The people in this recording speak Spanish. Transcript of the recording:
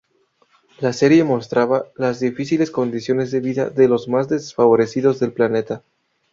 La serie mostraba las difíciles condiciones de vida de los más desfavorecidos del planeta.